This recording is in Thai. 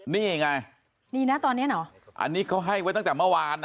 นี่ไงนี่นะตอนเนี้ยเหรออันนี้เขาให้ไว้ตั้งแต่เมื่อวานนะ